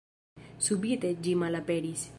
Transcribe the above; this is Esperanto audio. Subite ĝi malaperis.